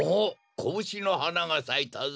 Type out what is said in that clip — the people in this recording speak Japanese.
コブシのはながさいたぞ！